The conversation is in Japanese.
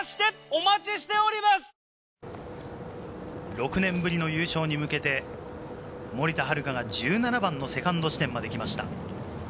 ６年ぶりの優勝に向けて、森田遥が１７番のセカンド地点まで来ました。